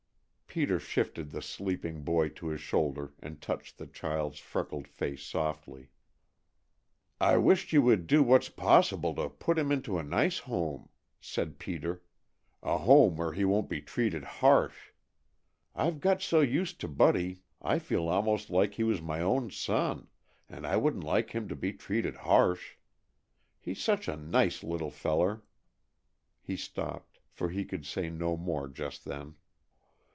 Peter shifted the sleeping boy to his shoulder and touched the child's freckled face softly. "I wisht you would do what's possible to put him into a nice home," said Peter; "a home where he won't be treated harsh. I've got so used to Buddy I feel almost like he was my own son, and I wouldn't like him to be treated harsh. He's such a nice little feller " He stopped, for he could say no more just then.